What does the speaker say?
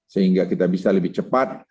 sehingga kita bisa lebih cepat